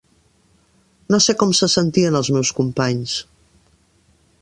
No sé com se sentien els meus companys.